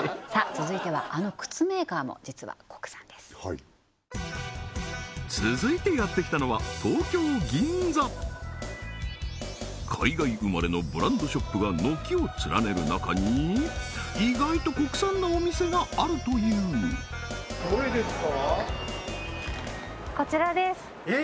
続いてはあの靴メーカーも実は国産です続いてやってきたのは東京・銀座海外生まれのブランドショップが軒を連ねる中にあるというどれですか？